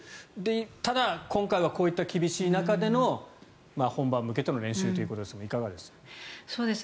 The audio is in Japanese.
ただ、今回はこういった厳しい中での本番に向けての練習ということですがいかがですか？